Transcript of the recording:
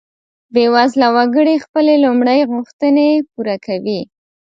بیوزله وګړي خپلې لومړۍ غوښتنې پوره کوي.